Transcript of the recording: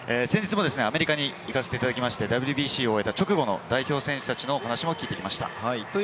先日もアメリカに行かせていただいて、ＷＢＣを終えた直後の代表選手たちの話も聞いてきました。